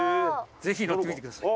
ぜひ乗ってみてください。